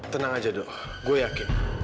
tenang aja dok gue yakin